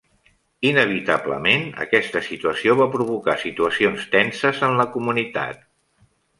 Inevitablement, aquesta situació va provocar situacions tenses en la comunitat.